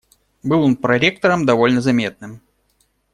Был он проректором, довольно заметным.